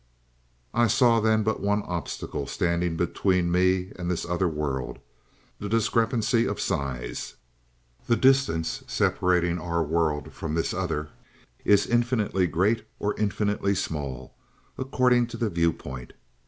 "I saw then but one obstacle standing between me and this other world the discrepancy of size. The distance separating our world from this other is infinitely great or infinitely small, according to the viewpoint.